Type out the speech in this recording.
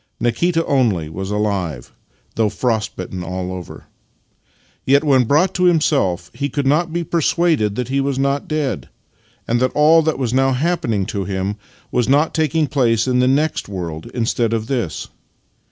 Nikita only was alive, though frost bitten all over. Yet, when brought to himself, he could not be persuaded that he was not dead, and that all that was now happening to him was not taking place in the next world instead of in this.